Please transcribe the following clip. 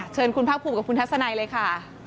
เชิญคุณภาคภูมิกับคุณทัศนัยเลยค่ะ